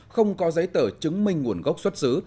không có giấy tờ chứng minh nguồn gốc xuất xứ